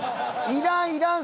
いらんいらん！